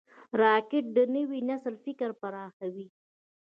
راکټ د نوي نسل فکر پراخوي